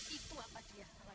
itu apa dia